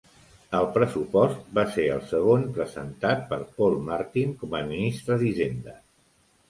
El pressupost va ser el segon presentat per Paul Martin com a ministre d'Hisenda.